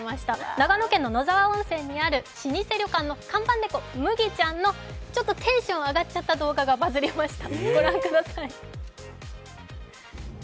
長野県の野沢温泉にある老舗旅館の看板猫、ムギちゃんの、ちょっとテンション上がっちゃった動画がバズりました。